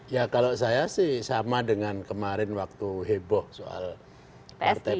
ya kalau saya sih sama dengan kemarin waktu heboh soal partai politik